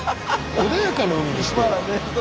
穏やかな海にしてよ。